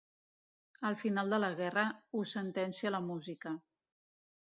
El final de la guerra ho sentencia la música.